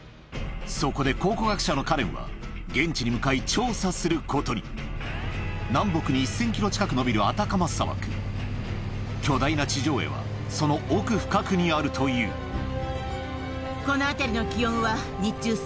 そこで考古学者のカレンは現地に向かい調査することに南北に１０００ｋｍ近く延びる巨大な地上絵はその奥深くにあるというあっあれね。